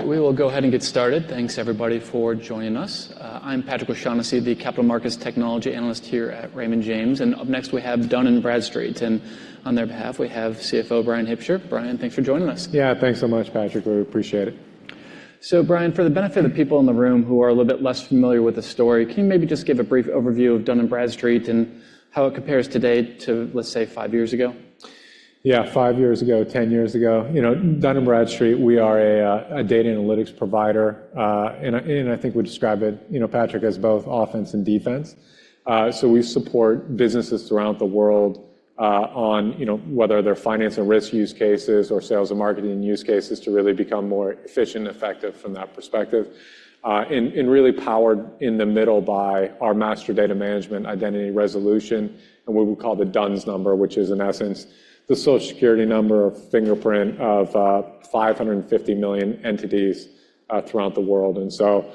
All right. We will go ahead and get started. Thanks, everybody, for joining us. I'm Patrick O'Shaughnessy, the Capital Markets Technology Analyst here at Raymond James. And up next, we have Dun & Bradstreet. And on their behalf, we have CFO Bryan Hipsher. Bryan, thanks for joining us. Yeah. Thanks so much, Patrick. We appreciate it. So Bryan, for the benefit of the people in the room who are a little bit less familiar with the story, can you maybe just give a brief overview of Dun & Bradstreet and how it compares today to, let's say, five years ago? Yeah. five years ago, 10 years ago. Dun & Bradstreet, we are a data analytics provider. I think we describe it, Patrick, as both offense and defense. So we support businesses throughout the world on whether they're finance and risk use cases or sales and marketing use cases to really become more efficient and effective from that perspective. And really powered in the middle by our Master Data Management, Entity Resolution, and what we call the D-U-N-S Number, which is, in essence, the Social Security number or fingerprint of 550 million entities throughout the world. And so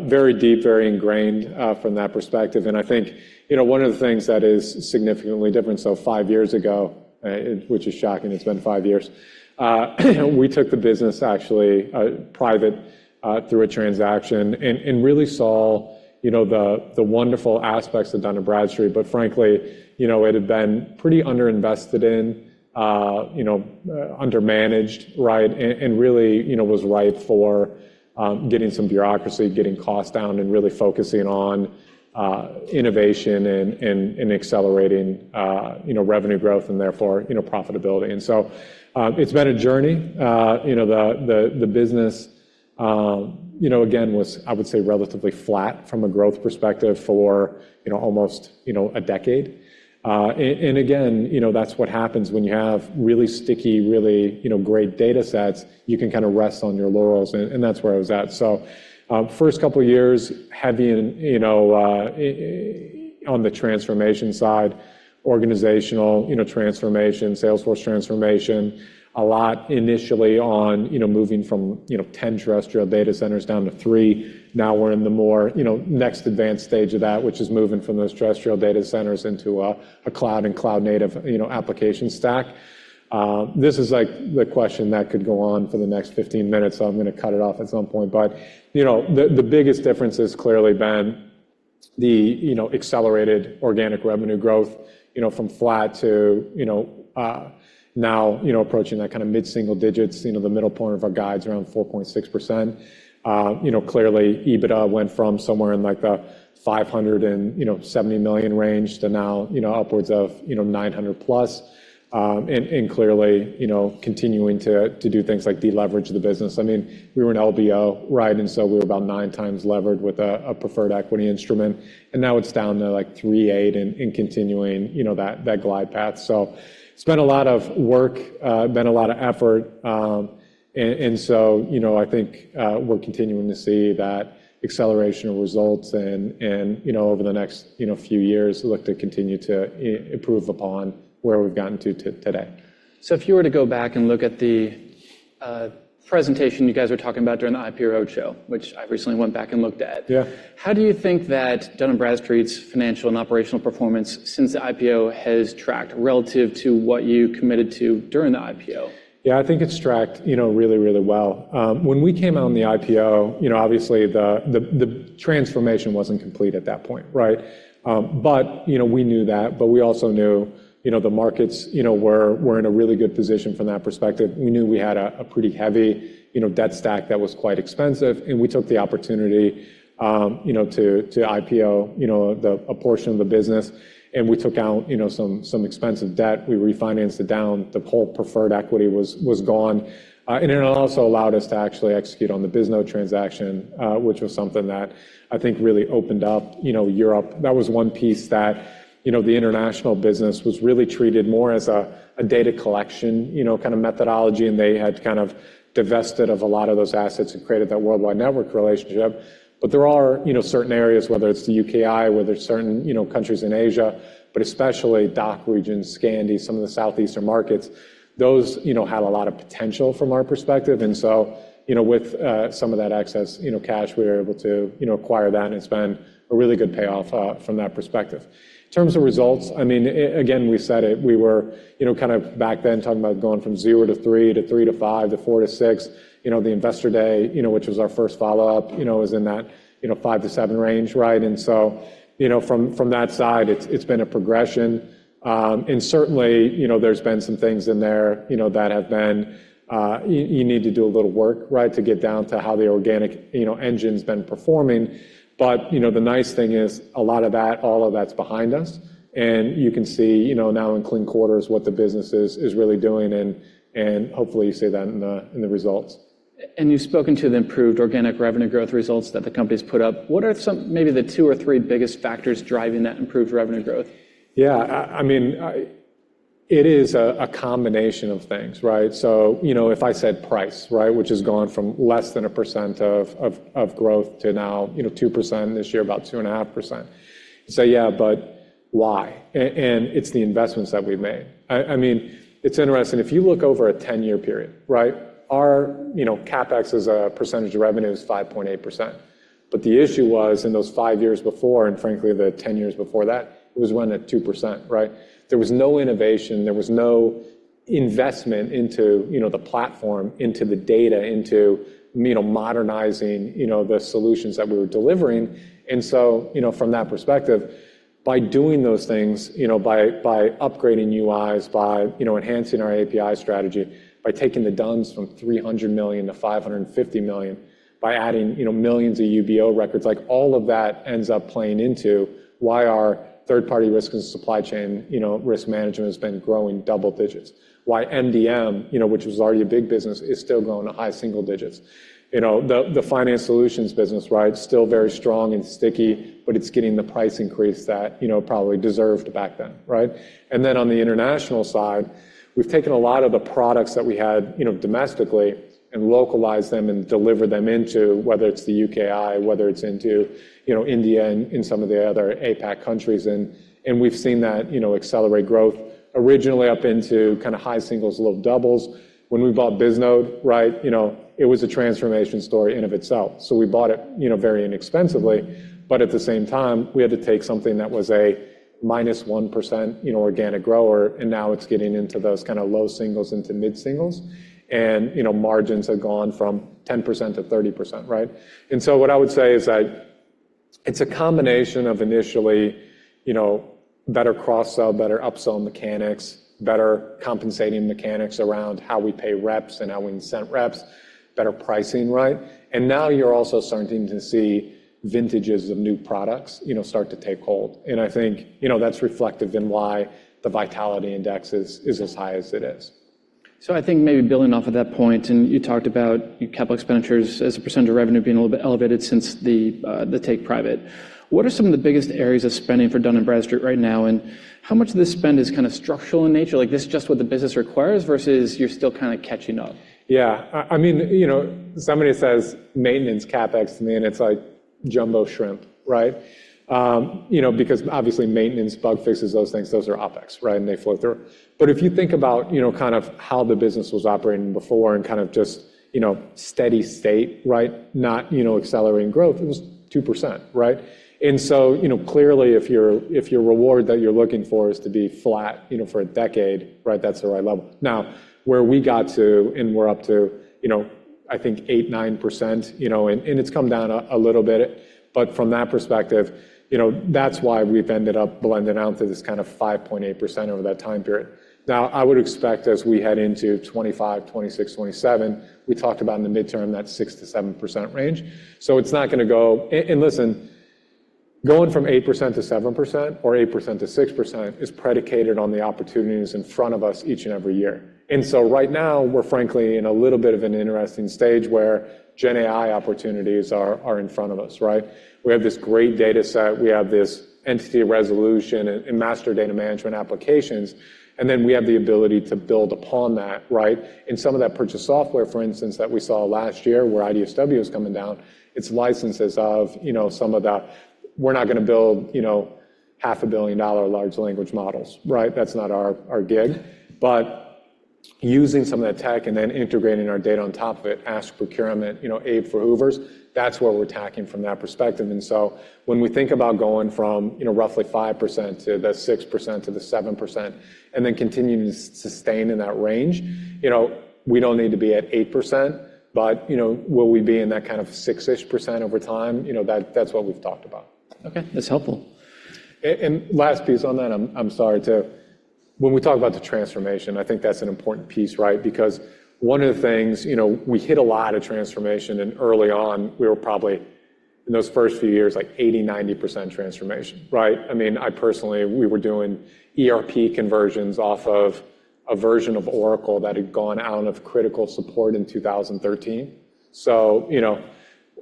very deep, very ingrained from that perspective. And I think one of the things that is significantly different, so five years ago, which is shocking, it's been five years, we took the business, actually, private through a transaction and really saw the wonderful aspects of Dun & Bradstreet. But frankly, it had been pretty underinvested in, undermanaged, right, and really was ripe for getting some bureaucracy, getting costs down, and really focusing on innovation and accelerating revenue growth and therefore profitability. So it's been a journey. The business, again, was, I would say, relatively flat from a growth perspective for almost a decade. Again, that's what happens when you have really sticky, really great data sets. You can kind of rest on your laurels. And that's where I was at. So first couple of years, heavy on the transformation side, organizational transformation, Salesforce transformation, a lot initially on moving from 10 terrestrial data centers down to three. Now we're in the more next advanced stage of that, which is moving from those terrestrial data centers into a cloud and cloud-native application stack. This is the question that could go on for the next 15 minutes, so I'm going to cut it off at some point. But the biggest difference has clearly been the accelerated organic revenue growth from flat to now approaching that kind of mid-single digits, the middle point of our guides around 4.6%. Clearly, EBITDA went from somewhere in the $570 million range to now upwards of $900+ million, and clearly continuing to do things like deleverage the business. I mean, we were an LBO, right? And so we were about 9x levered with a preferred equity instrument. And now it's down to 3.8% and continuing that glide path. So it's been a lot of work, been a lot of effort. And so I think we're continuing to see that acceleration of results. Over the next few years, look to continue to improve upon where we've gotten to today. If you were to go back and look at the presentation you guys were talking about during the IPO roadshow, which I recently went back and looked at, how do you think that Dun & Bradstreet's financial and operational performance since the IPO has tracked relative to what you committed to during the IPO? Yeah. I think it's tracked really, really well. When we came out on the IPO, obviously, the transformation wasn't complete at that point, right? But we knew that. But we also knew the markets were in a really good position from that perspective. We knew we had a pretty heavy debt stack that was quite expensive. And we took the opportunity to IPO a portion of the business. And we took out some expensive debt. We refinanced it down. The whole preferred equity was gone. And it also allowed us to actually execute on the Bisnode transaction, which was something that I think really opened up Europe. That was one piece that the international business was really treated more as a data collection kind of methodology. And they had kind of divested of a lot of those assets and created that worldwide network relationship. But there are certain areas, whether it's the UK&I, whether it's certain countries in Asia, but especially DACH regions, Scandi, some of the Southeastern markets, those had a lot of potential from our perspective. And so with some of that excess cash, we were able to acquire that. And it's been a really good payoff from that perspective. In terms of results, I mean, again, we said it. We were kind of back then talking about going from 0-3 to 3-5 to 4-6. The investor day, which was our first follow-up, was in that 5-7 range, right? And so from that side, it's been a progression. And certainly, there's been some things in there that have been you need to do a little work, right, to get down to how the organic engine's been performing. But the nice thing is, a lot of that, all of that's behind us. And you can see now in clean quarters what the business is really doing. And hopefully, you see that in the results. You've spoken to the improved organic revenue growth results that the company's put up. What are maybe the two or three biggest factors driving that improved revenue growth? Yeah. I mean, it is a combination of things, right? So if I said price, right, which has gone from less than 1% of growth to now 2% this year, about 2.5%, you say, yeah, but why? And it's the investments that we've made. I mean, it's interesting. If you look over a 10-year period, right, our CapEx as a percentage of revenue is 5.8%. But the issue was, in those five years before and frankly, the 10 years before that, it was run at 2%, right? There was no innovation. There was no investment into the platform, into the data, into modernizing the solutions that we were delivering. And so from that perspective, by doing those things, by upgrading UIs, by enhancing our API strategy, by taking the D-U-N-S from 300 million to 550 million, by adding millions of UBO records, all of that ends up playing into why our third-party risk and supply chain risk management has been growing double digits, why MDM, which was already a big business, is still growing to high single digits, the finance solutions business, right, still very strong and sticky, but it's getting the price increase that probably deserved back then, right? And then on the international side, we've taken a lot of the products that we had domestically and localized them and delivered them into, whether it's the UK&I, whether it's into India and in some of the other APAC countries. And we've seen that accelerate growth originally up into kind of high singles, little doubles. When we bought Bisnode, right, it was a transformation story in and of itself. So we bought it very inexpensively. But at the same time, we had to take something that was a -1% organic grower. And now it's getting into those kind of low singles into mid singles. And margins have gone from 10%-30%, right? And so what I would say is that it's a combination of initially better cross-sell, better up-sell mechanics, better compensating mechanics around how we pay reps and how we can send reps, better pricing, right? And now you're also starting to see vintages of new products start to take hold. And I think that's reflective in why the Vitality Index is as high as it is. So I think maybe building off of that point, and you talked about capital expenditures as a percentage of revenue being a little bit elevated since the take private. What are some of the biggest areas of spending for Dun & Bradstreet right now? And how much of this spend is kind of structural in nature, like this just what the business requires versus you're still kind of catching up? Yeah. I mean, somebody says maintenance CapEx to me, and it's like jumbo shrimp, right? Because obviously, maintenance, bug fixes, those things, those are OpEx, right? And they flow through. But if you think about kind of how the business was operating before and kind of just steady state, right, not accelerating growth, it was 2%, right? And so clearly, if your reward that you're looking for is to be flat for a decade, right, that's the right level. Now, where we got to and we're up to, I think, 8%, 9%, and it's come down a little bit. But from that perspective, that's why we've ended up blending out to this kind of 5.8% over that time period. Now, I would expect, as we head into 2025, 2026, 2027, we talked about in the midterm that 6%-7% range. So it's not going to go and listen, going from 8%-7% or 8%-6% is predicated on the opportunities in front of us each and every year. And so right now, we're frankly in a little bit of an interesting stage where GenAI opportunities are in front of us, right? We have this great data set. We have this entity resolution and master data management applications. And then we have the ability to build upon that, right? And some of that purchased software, for instance, that we saw last year where IDS was coming down, it's licenses of some of the we're not going to build $500 million large language models, right? That's not our gig. But using some of that tech and then integrating our data on top of it, Ask Procurement, AI for Hoovers, that's where we're taking from that perspective. When we think about going from roughly 5% to the 6% to the 7% and then continuing to sustain in that range, we don't need to be at 8%. But will we be in that kind of six-ish % over time? That's what we've talked about. Okay. That's helpful. Last piece on that, I'm sorry too. When we talk about the transformation, I think that's an important piece, right? Because one of the things, we hit a lot of transformation. Early on, we were probably, in those first few years, like 80%-90% transformation, right? I mean, I personally, we were doing ERP conversions off of a version of Oracle that had gone out of critical support in 2013. So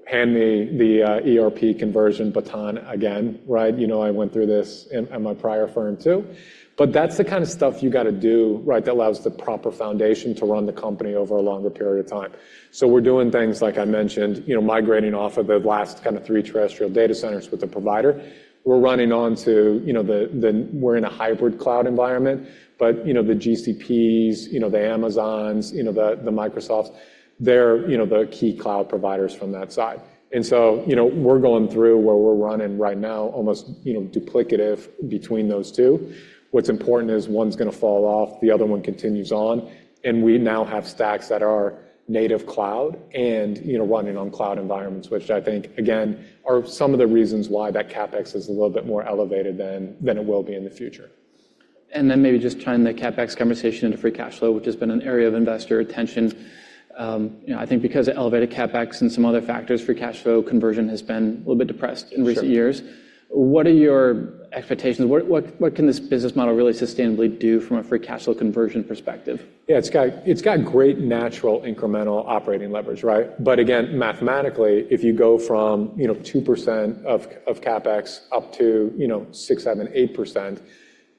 hand me the ERP conversion baton again, right? I went through this at my prior firm, too. But that's the kind of stuff you got to do that allows the proper foundation to run the company over a longer period of time. So we're doing things, like I mentioned, migrating off of the last kind of three terrestrial data centers with the provider. We're running onto the, we're in a hybrid cloud environment. But the GCPs, the Amazons, the Microsofts, they're the key cloud providers from that side. And so we're going through where we're running right now, almost duplicative between those two. What's important is one's going to fall off. The other one continues on. And we now have stacks that are native cloud and running on cloud environments, which I think, again, are some of the reasons why that CapEx is a little bit more elevated than it will be in the future. And then maybe just turning the CapEx conversation into free cash flow, which has been an area of investor attention, I think because of elevated CapEx and some other factors, free cash flow conversion has been a little bit depressed in recent years. What are your expectations? What can this business model really sustainably do from a free cash flow perspective? Yeah. It's got great natural incremental operating leverage, right? But again, mathematically, if you go from 2% of CapEx up to 6%, 7%, 8%,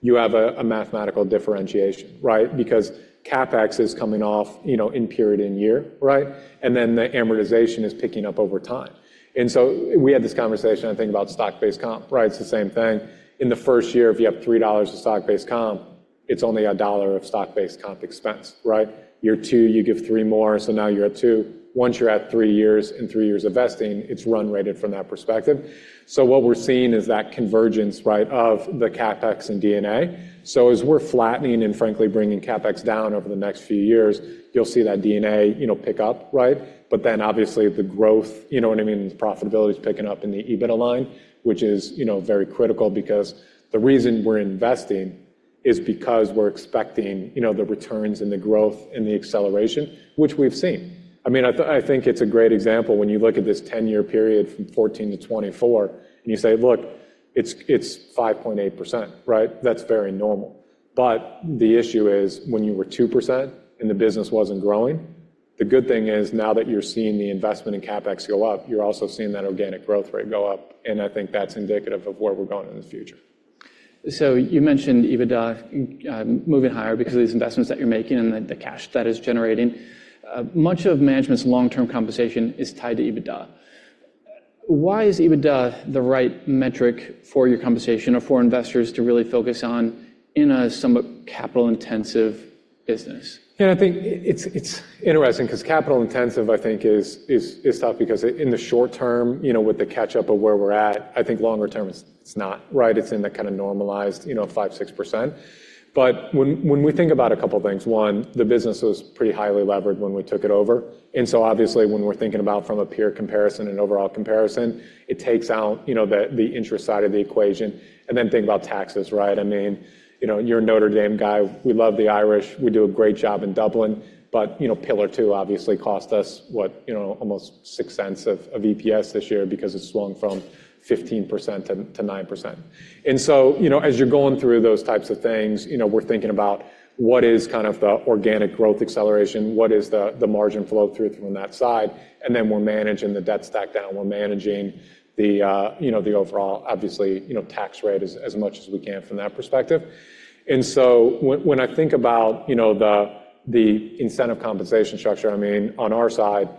you have a mathematical differentiation, right? Because CapEx is coming off in period and year, right? And then the amortization is picking up over time. And so we had this conversation, I think, about stock-based comp, right? It's the same thing. In the first year, if you have $3 of stock-based comp, it's only $1 of stock-based comp expense, right? Year two, you give three more. So now you're at two. Once you're at three years and three years of vesting, it's run rated from that perspective. So what we're seeing is that convergence of the CapEx and D&A. So as we're flattening and frankly bringing CapEx down over the next few years, you'll see that D&A pick up, right? But then obviously, the growth, you know what I mean? Profitability is picking up in the EBITDA line, which is very critical because the reason we're investing is because we're expecting the returns and the growth and the acceleration, which we've seen. I mean, I think it's a great example. When you look at this 10-year period from 2014 to 2024 and you say, look, it's 5.8%, right? That's very normal. But the issue is, when you were 2% and the business wasn't growing, the good thing is, now that you're seeing the investment in CapEx go up, you're also seeing that organic growth rate go up. And I think that's indicative of where we're going in the future. You mentioned EBITDA moving higher because of these investments that you're making and the cash that is generating. Much of management's long-term compensation is tied to EBITDA. Why is EBITDA the right metric for your compensation or for investors to really focus on in a somewhat capital-intensive business? Yeah. And I think it's interesting because capital-intensive, I think, is tough because in the short term, with the catch-up of where we're at, I think longer term, it's not, right? It's in that kind of normalized 5%, 6%. But when we think about a couple of things, one, the business was pretty highly levered when we took it over. And so obviously, when we're thinking about from a peer comparison and overall comparison, it takes out the interest side of the equation. And then think about taxes, right? I mean, you're a Notre Dame guy. We love the Irish. We do a great job in Dublin. But Pillar Two, obviously, cost us almost $0.06 of EPS this year because it swung from 15% to 9%. And so as you're going through those types of things, we're thinking about what is kind of the organic growth acceleration? What is the margin flow through from that side? And then we're managing the debt stack down. We're managing the overall, obviously, tax rate as much as we can from that perspective. And so when I think about the incentive compensation structure, I mean, on our side,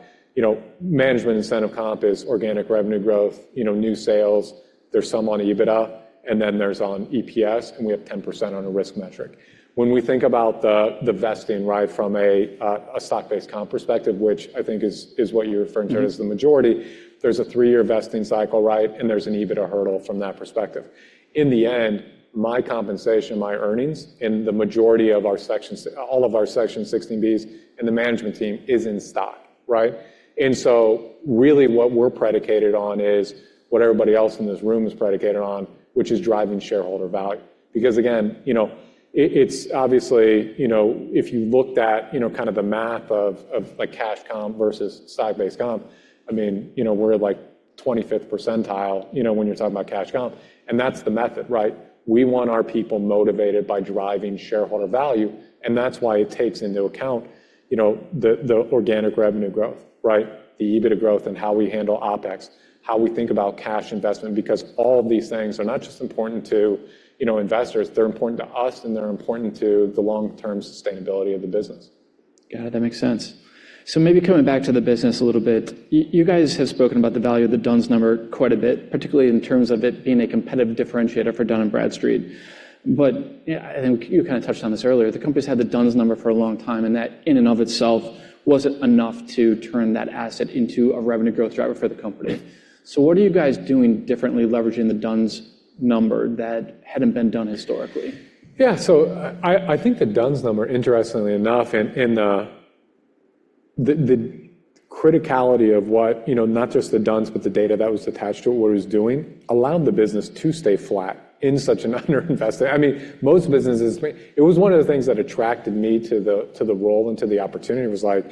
management incentive comp is organic revenue growth, new sales. There's some on EBITDA. And then there's on EPS. And we have 10% on a risk metric. When we think about the vesting, right, from a stock-based comp perspective, which I think is what you're referring to as the majority, there's a three-year vesting cycle, right? And there's an EBITDA hurdle from that perspective. In the end, my compensation, my earnings, and the majority of our execs, all of our Section 16(b)s and the management team is in stock, right? So really, what we're predicated on is what everybody else in this room is predicated on, which is driving shareholder value. Because again, it's obviously, if you looked at kind of the math of cash comp versus stock-based comp, I mean, we're at like 25th percentile when you're talking about cash comp. And that's the method, right? We want our people motivated by driving shareholder value. And that's why it takes into account the organic revenue growth, right? The EBITDA growth and how we handle OpEx, how we think about cash investment, because all of these things are not just important to investors. They're important to us. And they're important to the long-term sustainability of the business. Got it. That makes sense. So maybe coming back to the business a little bit, you guys have spoken about the value of the D-U-N-S Number quite a bit, particularly in terms of it being a competitive differentiator for Dun & Bradstreet. But I think you kind of touched on this earlier. The company's had the D-U-N-S Number for a long time. And that in and of itself wasn't enough to turn that asset into a revenue growth driver for the company. So what are you guys doing differently leveraging the D-U-N-S Number that hadn't been done historically? Yeah. So I think the D-U-N-S Number, interestingly enough, and the criticality of not just the D-U-N-S, but the data that was attached to it, what it was doing, allowed the business to stay flat in such an underinvested. I mean, most businesses, it was one of the things that attracted me to the role and to the opportunity was like,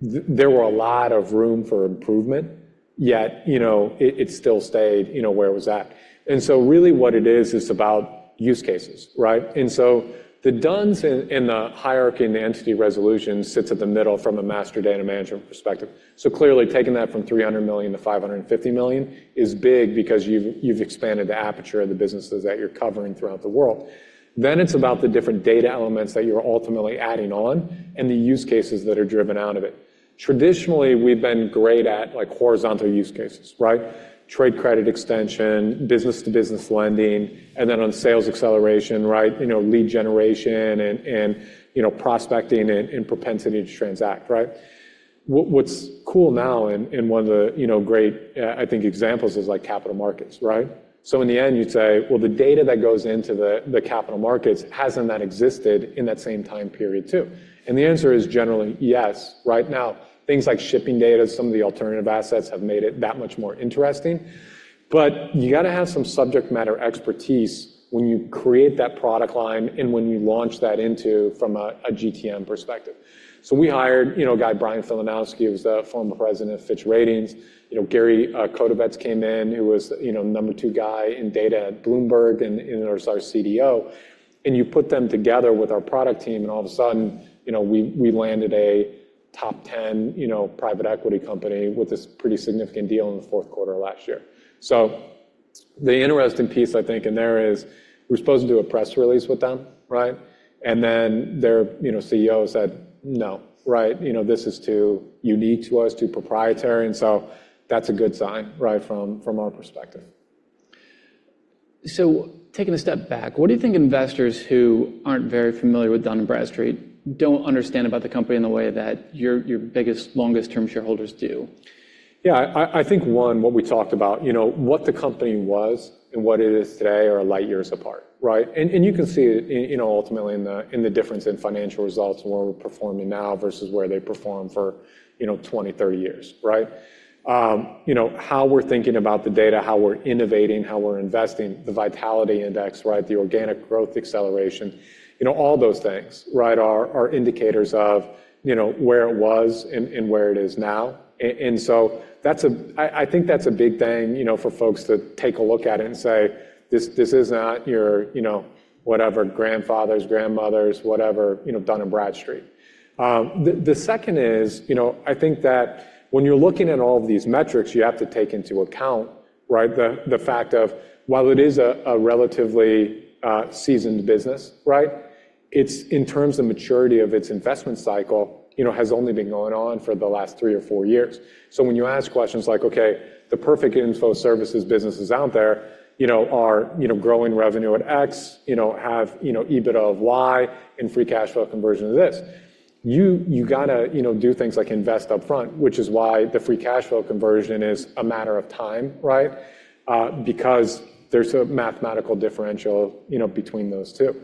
there were a lot of room for improvement, yet it still stayed where it was at. So really, what it is, is about use cases, right? So the D-U-N-S and the hierarchy and the Entity Resolution sits at the middle from a Master Data Management perspective. So clearly, taking that from 300 million-550 million is big because you've expanded the aperture of the businesses that you're covering throughout the world. Then it's about the different data elements that you're ultimately adding on and the use cases that are driven out of it. Traditionally, we've been great at horizontal use cases, right? Trade credit extension, business-to-business lending, and then on sales acceleration, right? Lead generation and prospecting and propensity to transact, right? What's cool now in one of the great, I think, examples is capital markets, right? So in the end, you'd say, well, the data that goes into the capital markets, hasn't that existed in that same time period, too? And the answer is generally, yes. Right now, things like shipping data, some of the alternative assets have made it that much more interesting. But you got to have some subject matter expertise when you create that product line and when you launch that into from a GTM perspective. So we hired a guy, Bryan Filanowski. He was the former president of Fitch Ratings. Gary Kotovets came in, who was the number two guy in data at Bloomberg and was our CDO. You put them together with our product team. All of a sudden, we landed a top 10 private equity company with this pretty significant deal in the fourth quarter last year. The interesting piece, I think, in there is we're supposed to do a press release with them, right? Then their CEO said, no, right? This is too unique to us, too proprietary. That's a good sign from our perspective. Taking a step back, what do you think investors who aren't very familiar with Dun & Bradstreet don't understand about the company in the way that your biggest, longest-term shareholders do? Yeah. I think, one, what we talked about, what the company was and what it is today are light years apart, right? And you can see it ultimately in the difference in financial results and where we're performing now versus where they perform for 20, 30 years, right? How we're thinking about the data, how we're innovating, how we're investing, the Vitality Index, right? The organic growth acceleration, all those things, right? Are indicators of where it was and where it is now. And so I think that's a big thing for folks to take a look at it and say, this is not your whatever, grandfathers, grandmothers, whatever, Dun & Bradstreet. The second is, I think that when you're looking at all of these metrics, you have to take into account the fact of, while it is a relatively seasoned business, right? In terms of maturity of its investment cycle, it has only been going on for the last three or four years. So when you ask questions like, okay, the perfect info services businesses out there are growing revenue at X, have EBITDA of Y, and free cash flow conversion of this, you got to do things like invest upfront, which is why the free cash flow conversion is a matter of time, right? Because there's a mathematical differential between those two.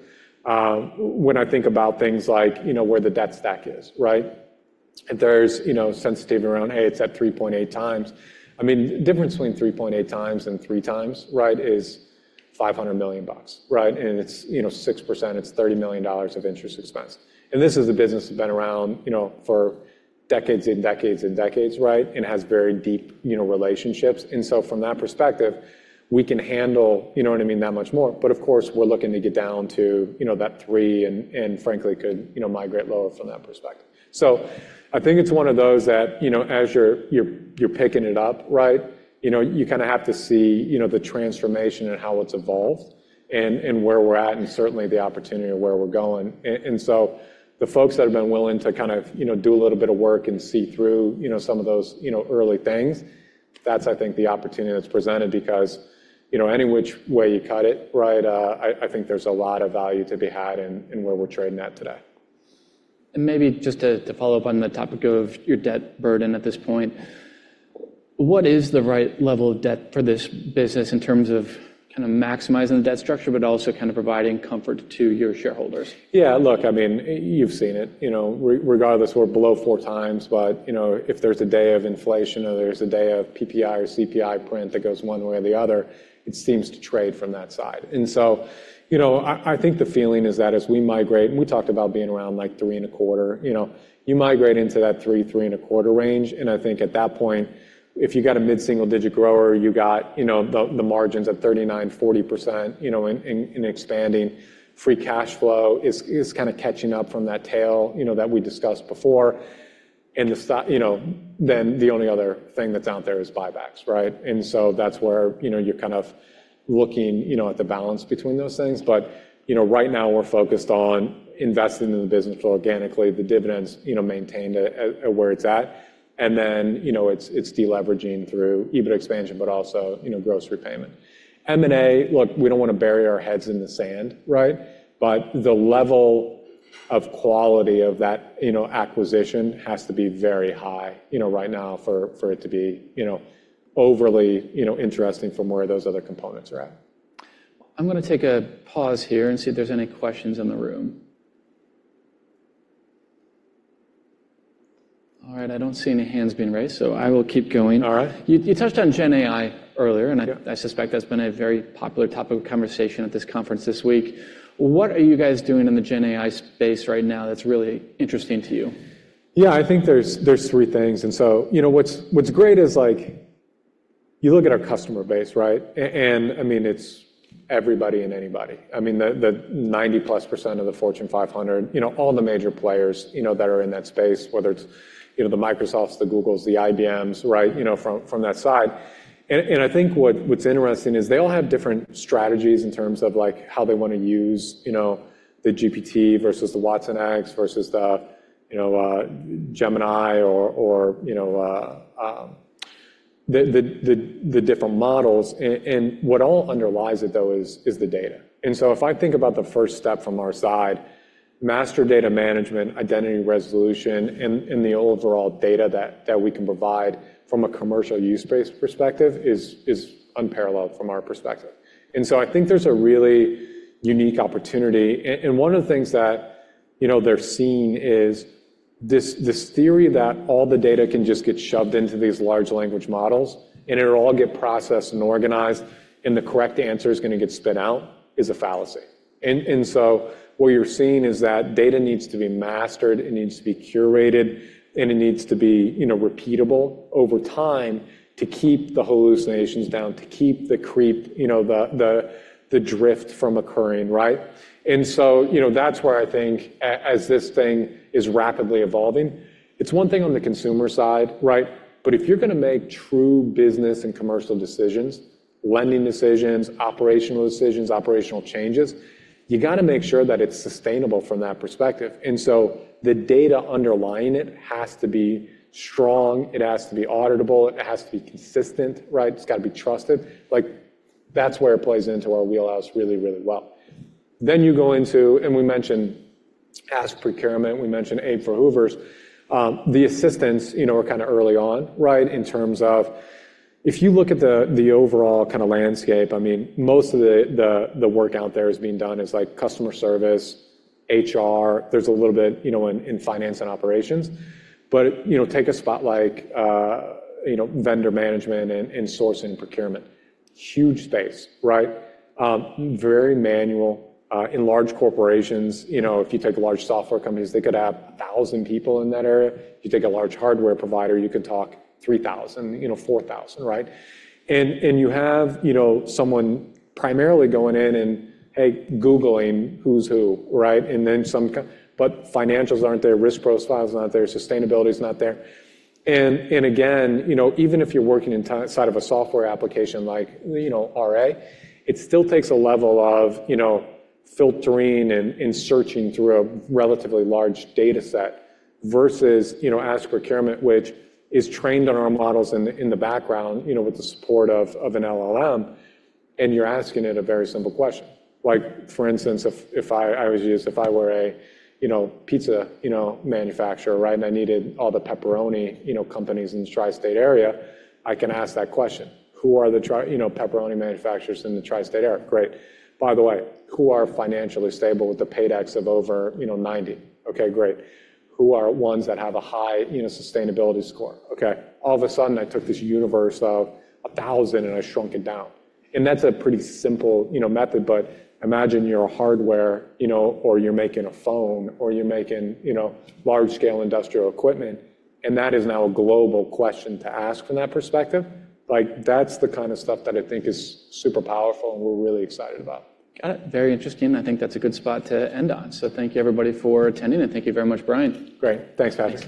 When I think about things like where the debt stack is, right? There's sensitivity around, hey, it's at 3.8x. I mean, the difference between 3.8x and 3x, right? Is $500 million, right? And it's 6%. It's $30 million of interest expense. And this is a business that's been around for decades and decades and decades, right? And has very deep relationships. And so from that perspective, we can handle, you know what I mean? That much more. But of course, we're looking to get down to that three and frankly could migrate lower from that perspective. So I think it's one of those that as you're picking it up, right? You kind of have to see the transformation and how it's evolved and where we're at and certainly the opportunity of where we're going. And so the folks that have been willing to kind of do a little bit of work and see through some of those early things, that's, I think, the opportunity that's presented because any which way you cut it, right? I think there's a lot of value to be had in where we're trading at today. Maybe just to follow up on the topic of your debt burden at this point, what is the right level of debt for this business in terms of kind of maximizing the debt structure, but also kind of providing comfort to your shareholders? Yeah. Look, I mean, you've seen it. Regardless, we're below 4x. But if there's a day of inflation or there's a day of PPI or CPI print that goes one way or the other, it seems to trade from that side. And so I think the feeling is that as we migrate, and we talked about being around like 3.25, you migrate into that 3-3.25 range. And I think at that point, if you got a mid-single-digit grower, you got the margins at 39%-40% in expanding. Free cash flow is kind of catching up from that tail that we discussed before. And then the only other thing that's out there is buybacks, right? And so that's where you're kind of looking at the balance between those things. But right now, we're focused on investing in the business organically, the dividends maintained at where it's at. And then it's deleveraging through EBITDA expansion, but also gross repayment. M&A, look, we don't want to bury our heads in the sand, right? But the level of quality of that acquisition has to be very high right now for it to be overly interesting from where those other components are at. I'm going to take a pause here and see if there's any questions in the room. All right. I don't see any hands being raised. So I will keep going. All right. You touched on GenAI earlier. I suspect that's been a very popular topic of conversation at this conference this week. What are you guys doing in the GenAI space right now that's really interesting to you? Yeah. I think there's three things. And so what's great is you look at our customer base, right? And I mean, it's everybody and anybody. I mean, the 90+% of the Fortune 500, all the major players that are in that space, whether it's the Microsofts, the Googles, the IBMs, right? From that side. And I think what's interesting is they all have different strategies in terms of how they want to use the GPT versus the watsonx versus the Gemini or the different models. And what all underlies it, though, is the data. And so if I think about the first step from our side, Master Data Management, Entity Resolution, and the overall data that we can provide from a commercial use-based perspective is unparalleled from our perspective. And so I think there's a really unique opportunity. And one of the things that they're seeing is this theory that all the data can just get shoved into these large language models, and it'll all get processed and organized, and the correct answer is going to get spit out is a fallacy. And so what you're seeing is that data needs to be mastered. It needs to be curated. And it needs to be repeatable over time to keep the hallucinations down, to keep the drift from occurring, right? And so that's where I think, as this thing is rapidly evolving, it's one thing on the consumer side, right? But if you're going to make true business and commercial decisions, lending decisions, operational decisions, operational changes, you got to make sure that it's sustainable from that perspective. And so the data underlying it has to be strong. It has to be auditable. It has to be consistent, right? It's got to be trusted. That's where it plays into our wheelhouse really, really well. Then you go into, and we mentioned Ask Procurement. We mentioned AI for Hoovers. The assistants were kind of early on, right? In terms of if you look at the overall kind of landscape, I mean, most of the work out there is being done is customer service, HR. There's a little bit in finance and operations. But take a spot like vendor management and sourcing procurement, huge space, right? Very manual. In large corporations, if you take large software companies, they could have 1,000 people in that area. If you take a large hardware provider, you could talk 3,000, 4,000, right? And you have someone primarily going in and, hey, Googling who's who, right? But financials aren't there. Risk profile is not there. Sustainability is not there. And again, even if you're working inside of a software application like RA, it still takes a level of filtering and searching through a relatively large data set versus Ask Procurement, which is trained on our models in the background with the support of an LLM. And you're asking it a very simple question. For instance, if I were a pizza manufacturer, right? And I needed all the pepperoni companies in the tri-state area, I can ask that question. Who are the pepperoni manufacturers in the tri-state area? Great. By the way, who are financially stable with a PAYDEX of over 90? Okay, great. Who are ones that have a high sustainability score? Okay. All of a sudden, I took this universe of 1,000 and I shrunk it down. And that's a pretty simple method. But imagine you're hardware or you're making a phone or you're making large-scale industrial equipment. That is now a global question to ask from that perspective. That's the kind of stuff that I think is super powerful and we're really excited about. Got it. Very interesting. I think that's a good spot to end on. So thank you, everybody, for attending. And thank you very much, Bryan. Great. Thanks, Patrick.